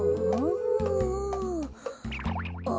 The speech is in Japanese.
あ。